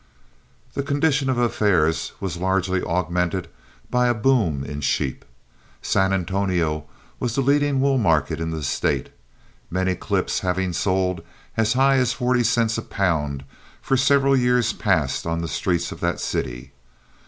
This condition of affairs was largely augmented by a boom in sheep. San Antonio was the leading wool market in the State, many clips having sold as high as forty cents a pound for several years past on the streets of that city.